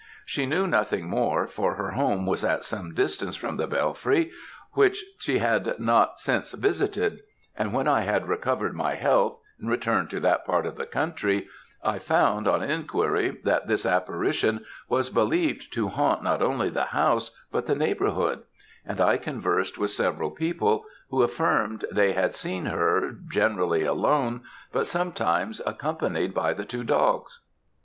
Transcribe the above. "She knew nothing more, for her home was at some distance from the Bellfry, which she had not since revisited: but when I had recovered my health and returned to that part of the country, I found, on enquiry, that this apparition was believed to haunt not only the house, but the neighbourhood; and I conversed with several people who affirmed they had seen her, generally alone, but sometimes accompanied by the two dogs.